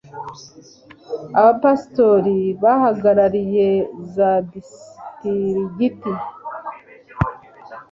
abapasitori bahagarariye za disitirigiti